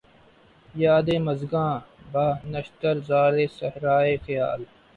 یادِ مژگاں بہ نشتر زارِ صحراۓ خیال